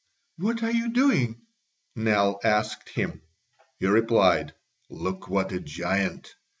"What are you doing?" Nell asked him. He replied: "Look what a giant!